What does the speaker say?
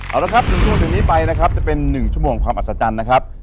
เอาละครับ๑ชั่วโมงถึงนี้ไปนะครับจะเป็น๑ชั่วโมงความอัศจรรย์นะครับ